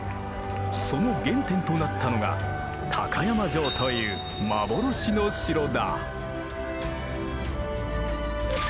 その原点となったのが高山城という幻の城だ。